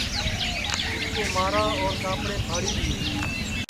اِس کُو مارا اور کاپڑے پھاڑی دِیئے